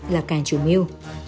là càng chủ mưu